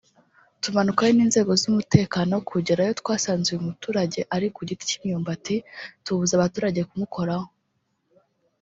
tumanukayo n’inzego z’umutekano kugerayo twasanze uyu muturage ari ku giti cy’imyumbati tubuza abaturage kumukoraho